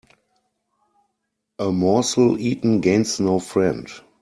A morsel eaten gains no friend.